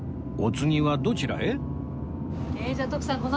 お次はどちらへ？